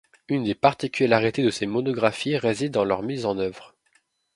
Une des particularités de ses monographies réside dans leur mise en œuvre.